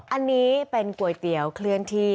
อันนี้เป็นก๋วยเตี๋ยวเคลื่อนที่